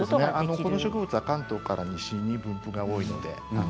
この植物は関東から西に分布が多いです。